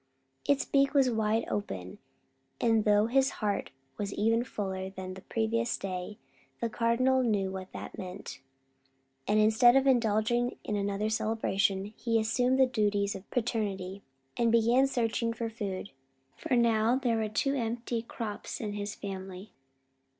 Its beak was wide open, and though his heart was even fuller than on the previous day, the Cardinal knew what that meant; and instead of indulging in another celebration, he assumed the duties of paternity, and began searching for food, for now there were two empty crops in his family.